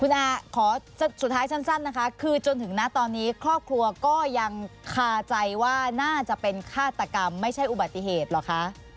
คุณอาขอสุดท้ายสั้นนะคะคือจนถึงนะตอนนี้ครอบครัวก็ยังคาใจว่าน่าจะเป็นฆาตกรรมไม่ใช่อุบัติเหตุเหรอคะ